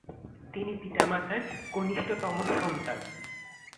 তিনি পিতা-মাতার কনিষ্ঠতম সন্তান।